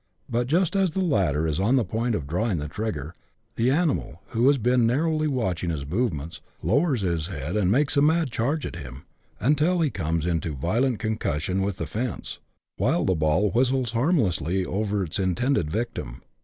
But just as the latter is on the point of drawing the trigger, the animal, who has been narrowly watching his movements, lowers his head, and makes a mad charge at him, until he comes into violent concussion with the fence, while the ball whistles harmlessly over its in tended victim.